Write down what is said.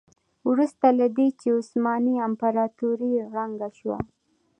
وروسته له دې چې عثماني امپراتوري ړنګه شوه.